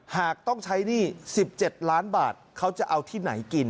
หากต้องใช้หนี้๑๗ล้านบาทเขาจะเอาที่ไหนกิน